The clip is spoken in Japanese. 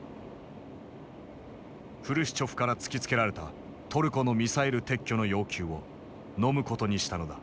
フルシチョフから突きつけられたトルコのミサイル撤去の要求をのむことにしたのだ。